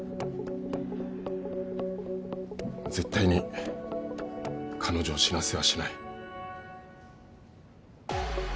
絶対に彼女を死なせはしない。